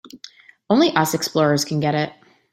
Only us explorers can get it.